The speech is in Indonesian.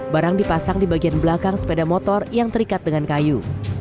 barang dipasang di bagian belakang sepeda motor yang terikat dengan kayu